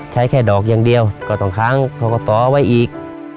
ใช้แค่ดอกอย่างเดียวก็ต้องค้างท้องกะซ้อไว้อีก